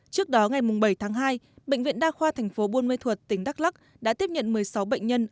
trước đó ngày bảy tháng hai bệnh viện đa khoa tp buôn ma thuật tỉnh đắk lắc đã tiếp nhận một mươi sáu bệnh nhân